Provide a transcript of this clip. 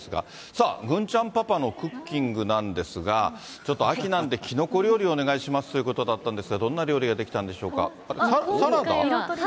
さあ、郡ちゃんパパのクッキングなんですが、ちょっと秋なんで、キノコ料理をお願いしますということだったんですが、どんな料理が出来たんでしょうか。